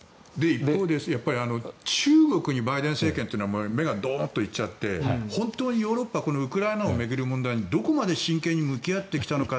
一方で中国にバイデン政権というのは目がドーッと行っちゃって本当にヨーロッパウクライナを巡る問題にどこまで真剣に向き合ってきたのか